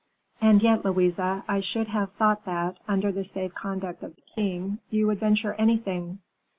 "And yet, Louise, I should have thought that, under the safe conduct of the king, you would venture anything."